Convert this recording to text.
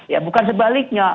ya bukan sebaliknya